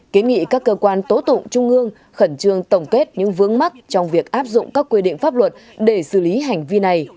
kiến nghị các cơ quan tố tụng trung ương khẩn trương tổng kết những vướng mắt trong việc áp dụng các quy định pháp luật để xử lý hành vi này